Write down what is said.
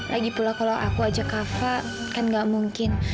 lagi pula kalau aku ajak kakak kan gak mungkin